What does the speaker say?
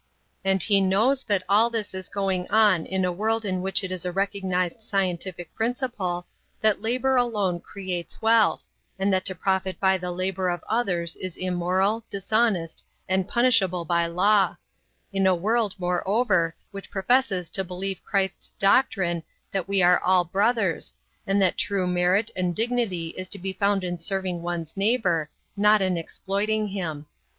And he knows that all this is going on in a world in which it is a recognized scientific principle that labor alone creates wealth, and that to profit by the labor of others is immoral, dishonest, and punishable by law; in a world, moreover, which professes to believe Christ's doctrine that we are all brothers, and that true merit and dignity is to be found in serving one's neighbor, not in exploiting him.